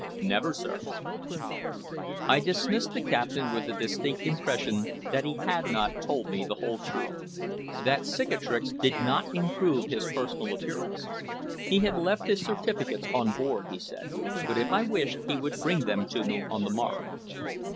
"Never, sir." I dismissed the captain with a distinct impression that he had not told me the whole truth. That cicatrice did not improve his personal appearance. He had left his certificates on board, he said, but if I wished he would bring them to me on the morrow.